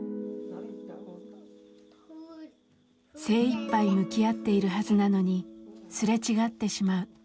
精いっぱい向き合っているはずなのにすれ違ってしまう。